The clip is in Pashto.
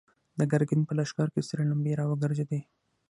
د ګرګين په لښکر کې سرې لمبې را وګرځېدې.